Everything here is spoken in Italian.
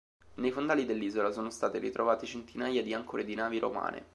Nei fondali dell'isola sono state ritrovate centinaia di ancore di navi romane.